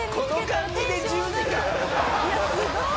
いやすごい！